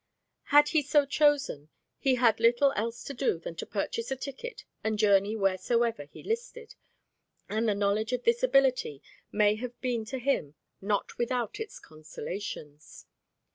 Had he so chosen, he had little else to do than to purchase a ticket and journey wheresoever he listed, and the knowledge of this ability may have been to him not without its consolations.